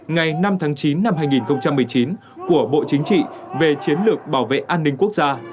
ngày năm tháng chín năm hai nghìn một mươi chín của bộ chính trị về chiến lược bảo vệ an ninh quốc gia